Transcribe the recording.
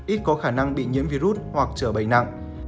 ít có khả năng bị nhiễm virus hoặc trở bệnh nặng